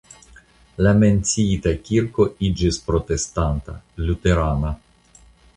La menciita kirko iĝis protestanta (luterana).